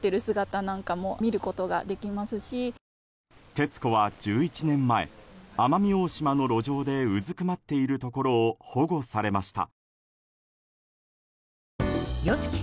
テツコは１１年前奄美大島の路上でうずくまっているところを保護されました。